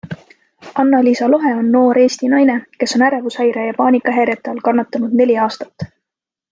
Anna-Liisa Lohe on noor Eesti naine, kes on ärevushäire ja paanikahäirete all kannatanud neli aastat.